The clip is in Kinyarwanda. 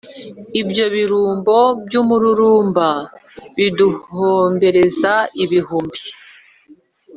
Ibyo birumbo by'umururumba biduhombereza ibihumbi